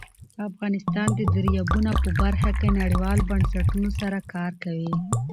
افغانستان د دریابونه په برخه کې نړیوالو بنسټونو سره کار کوي.